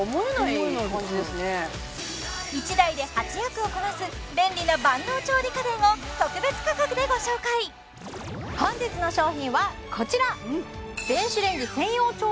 １台で８役をこなす便利な万能調理家電を特別価格でご紹介本日の商品はこちら！